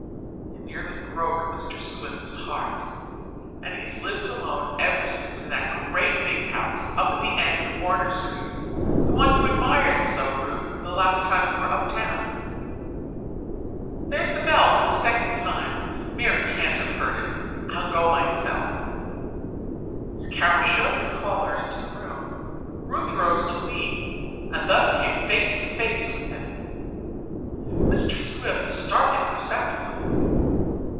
It nearly broke Mr. Swift's heart. And he has lived alone ever since in that great big house up at the head of Warner Street, the one you admired so, Ruth, the last time we were uptown. There's the bell for the second time, Mary can't have heard it. I'll go myself." As Carol showed the caller into the room, Ruth rose to leave and thus came face to face with him. Mr. Swift started perceptibly.